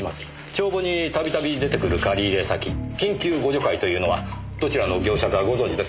帳簿に度々出てくる借入先緊急互助会というのはどちらの業者かご存じですか？